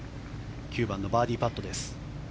９番のバーディーパットです。